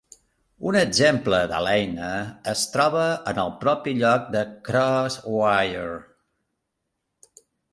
Un exemple de l'eina es troba en el propi lloc de CrossWire.